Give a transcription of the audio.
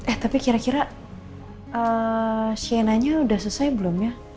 eh tapi kira kira sienna nya udah selesai belum ya